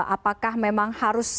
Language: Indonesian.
apakah memang harus selalu